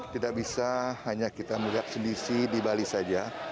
tidak bisa hanya kita melihat sendiri di bali saja